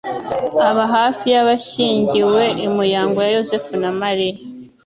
aba hafi y'abashyingiwe, imuyango ya Yosefu na Mariya,